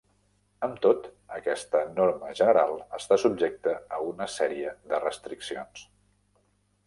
Amb tot, aquesta norma general està subjecta a una sèrie de restriccions.